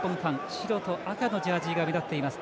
白と赤のジャージが目立っています